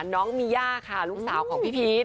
น้องมีย่าค่ะลูกสาวของพี่พีช